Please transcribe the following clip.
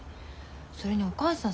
それにお母さん